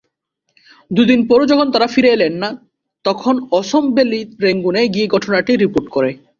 দুদিন পরও যখন তারা ফিরে এলেন না, তখন অসম ভ্যালি রেঙ্গুনে গিয়ে ঘটনাটি রিপোর্ট করে।